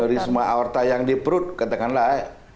risma aorta yang di perut katakanlah